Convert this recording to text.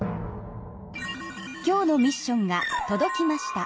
今日のミッションがとどきました。